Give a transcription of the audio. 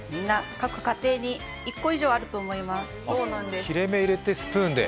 各家庭に１個以上はあると思います。